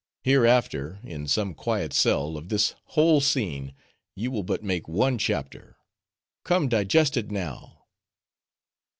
hereafter, in some quiet cell, of this whole scene you will but make one chapter;—come, digest it now."